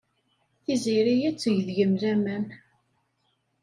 Tiziri ad teg deg-m laman.